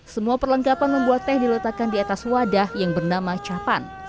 semua perlengkapan membuat teh diletakkan di atas wadah yang bernama capan